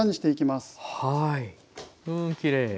はいうんきれい。